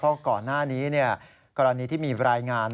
เพราะก่อนหน้านี้กรณีที่มีรายงาน